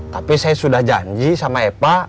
tapi saya sudah janji sama eva